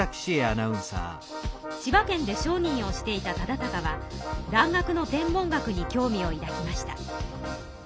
千葉県で商人をしていた忠敬は蘭学の天文学に興味をいだきました。